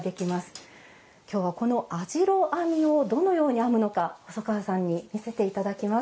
今日はこの網代編みをどのように編むのか細川さんに見せて頂きます。